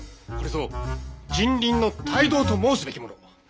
これぞ人倫の大道と申すべきもの。